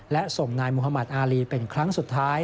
และส่งนายมุธมัติอารีเป็นครั้งสุดท้าย